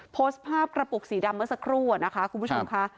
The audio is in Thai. โพสต์ภาพกระปุกสีดำเมื่อสักครู่อะนะคะคุณผู้ชมค่ะ